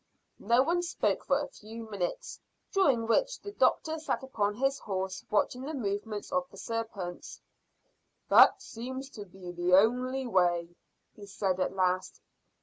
No one spoke for a few minutes, during which the doctor sat upon his horse watching the movements of the serpents. "That seems to be the only way," he said at last.